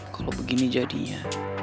kalau begini jadinya